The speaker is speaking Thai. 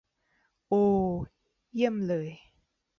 โอ เยี่ยมเลย